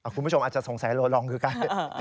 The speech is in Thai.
คุณผู้ชมอาจจะสงสัยโลลองคือใกล้